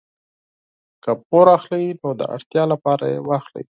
که پور اخلئ نو د اړتیا لپاره یې واخلئ.